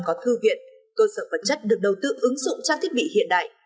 sáu mươi bốn có thư viện cơ sở vật chất được đầu tư ứng dụng trong thiết bị hiện đại